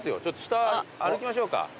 ちょっと下歩きましょうか。